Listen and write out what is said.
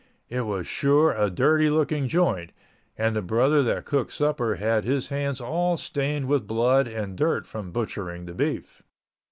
It was sure a dirty looking joint and the brother that cooked supper had his hands all stained with blood and dirt from butchering the beef.